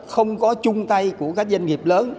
không có chung tay của các doanh nghiệp lớn